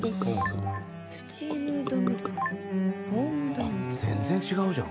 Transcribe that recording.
あっ全然違うじゃん。